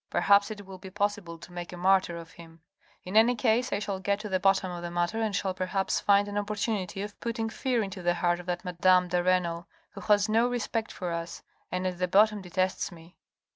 Perhaps it will be possible to make a martyr of him. ... In any case, I shall get to the bottom of the matter, and shall perhaps find an opportunity of putting fear into the heart of that madame de Renal who has no respect for us, and at the bottom detests me.